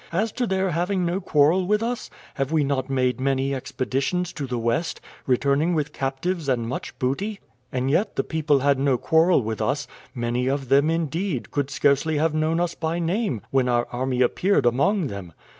As to their having no quarrel with us, have we not made many expeditions to the west, returning with captives and much booty? And yet the people had no quarrel with us many of them, indeed, could scarcely have known us by name when our army appeared among them.